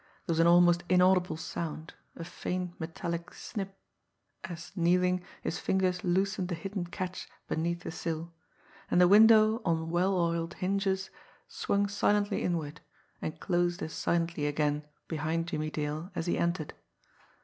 There was an almost inaudible sound, a faint metallic snip, as, kneeling, his fingers loosened the hidden catch beneath the sill and the window on well oiled hinges swung silently inward, and closed as silently again behind Jimmie Dale as he entered.